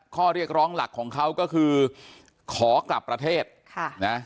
ข้อเรียกร้องหลักของเขาก็คือขอกลับประเทศค่ะนะ